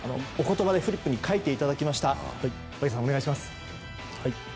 フリップに書いていただきました。